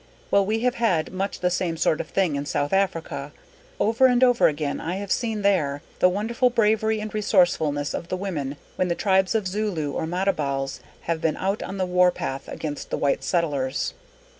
_ _Well, we have had much the same sort of thing in South Africa. Over and over again I have seen there the wonderful bravery and resourcefulness of the women when the tribes of Zulu or Matabeles have been out on the war path against the white settlers.